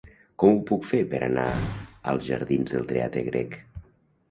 Com ho puc fer per anar als jardins del Teatre Grec?